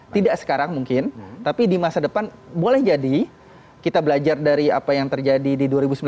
tidak sekarang mungkin tapi di masa depan boleh jadi kita belajar dari apa yang terjadi di dua ribu sembilan belas